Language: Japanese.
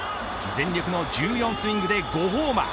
全力の１４スイングで５ホーマー。